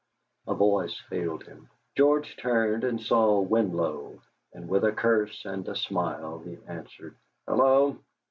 A voice hailed him. George turned and saw Winlow, and with a curse and a smile he answered: "Hallo!"